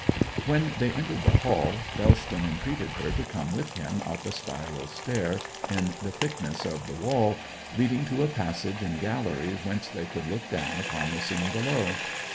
When they re entered the hall, Bellston entreated her to come with him up a spiral stair in the thickness of the wall, leading to a passage and gallery whence they could look down upon the scene below.